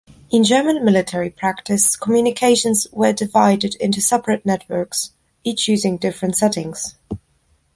In German military practice, communications were divided into separate networks, each using different settings.